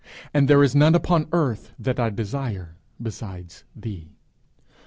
and there is none upon earth that I desire besides thee!'